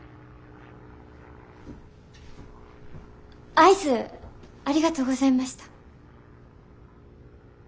アイスありがとうございました。